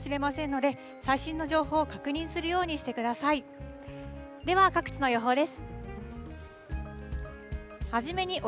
では、各地の予報です。